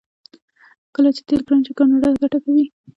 کله چې تیل ګران شي کاناډا ګټه کوي.